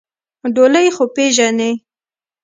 ډولۍ خو پېژنې؟